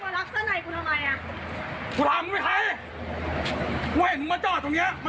แล้วมึงต้องรักช่วยอะไรมึงทำไม